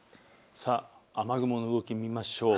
雨雲の動きを見ましょう。